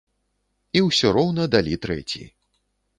І ўсё роўна далі трэці.